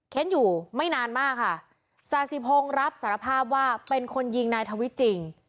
อยู่ไม่นานมากค่ะสาธิพงศ์รับสารภาพว่าเป็นคนยิงนายทวิทย์จริง